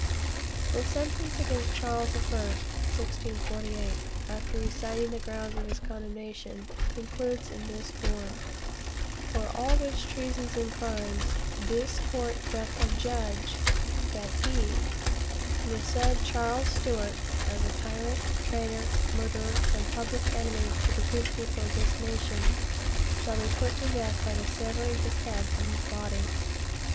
The sentence against Charles the First, (1648,) after reciting the grounds of his condemnation, concludes in this form: "For all which treasons and crimes, this court doth adjudge, that he, the said Charles Stuart, as a tyrant, traitor, murderer, and public enemy to the good people of this nation, shall be put to death by the severing his head from his body."